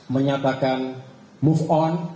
menyatakan move on